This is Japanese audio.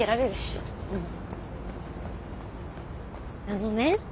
あのね。